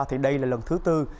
thì đây là lần thứ bốn